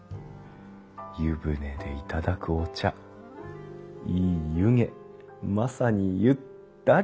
湯船で頂くお茶いい湯気まさにゆ・ったり。